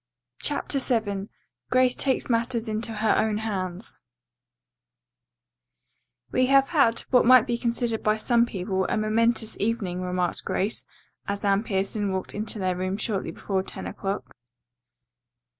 CHAPTER VII GRACE TAKES MATTERS INTO HER OWN HANDS "We have had, what might be considered by some people, a momentous evening," remarked Grace as Anne Pierson walked into their room shortly before ten o'clock.